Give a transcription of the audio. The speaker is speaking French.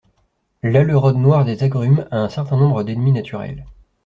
L'aleurode noir des agrumes a un certain nombre d'ennemis naturels.